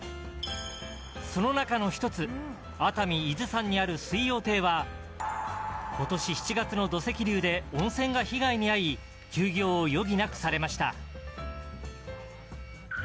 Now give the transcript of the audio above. その中の一つ熱海伊豆山にある水葉亭は今年７月の土石流で温泉が被害に遭い休業を余儀なくされました。